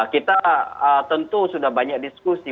kita tentu sudah banyak diskusi